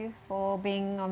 dan berbagi dengan kami